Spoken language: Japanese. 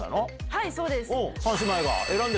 はいそうです。